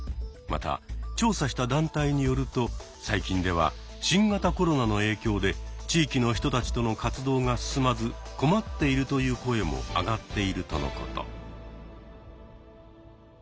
また調査した団体によると最近では「新型コロナの影響で地域の人たちとの活動が進まず困っている」という声も上がっているとのこと。